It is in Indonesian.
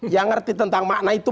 yang ngerti tentang makna itu